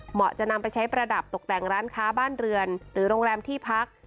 จะนำไปใช้ประดับตกแต่งร้านค้าบ้านเรือนหรือโรงแรมที่พัก